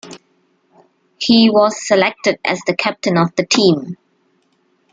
He was selected as the captain of the team.